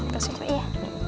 kasih coba ya